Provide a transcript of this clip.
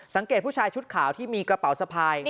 ผู้ชายชุดขาวที่มีกระเป๋าสะพาย